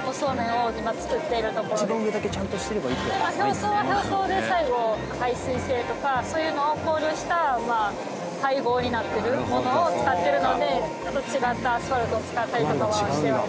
表層は表層で最後耐水性とかそういうのを考慮した配合になっているものを使っているのでちょっと違ったアスファルトを使ったりとかは。